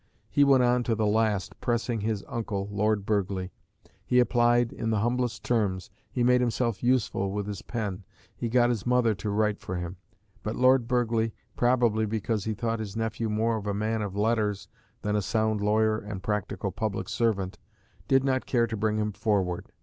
He went on to the last pressing his uncle, Lord Burghley. He applied in the humblest terms, he made himself useful with his pen, he got his mother to write for him; but Lord Burghley, probably because he thought his nephew more of a man of letters than a sound lawyer and practical public servant, did not care to bring him forward.